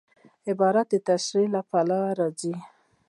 عبارت د تشریح له پاره راځي.